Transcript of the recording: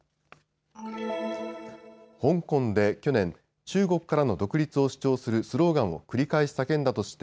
香港で去年、中国からの独立を主張するスローガンを繰り返し叫んだとして